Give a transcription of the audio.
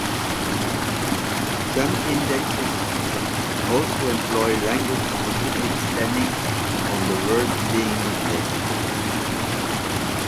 Some indexers also employ language-specific stemming on the words being indexed.